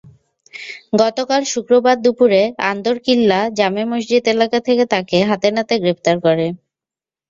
গতকাল শুক্রবার দুপুরে আন্দরকিল্লা জামে মসজিদ এলাকা থেকে তাঁকে হাতেনাতে গ্রেপ্তার করে।